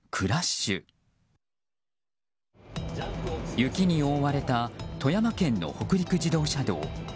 雪に覆われた富山県の北陸自動車道。